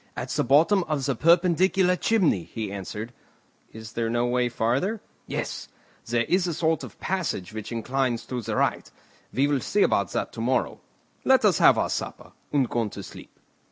"At the bottom of the perpendicular chimney," he answered. "Is there no way farther?" "Yes; there is a sort of passage which inclines to the right. We will see about that to morrow. Let us have our supper, and go to sleep."